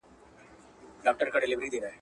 دار ته دي نوم وښیم څوک خو به څه نه وايي ,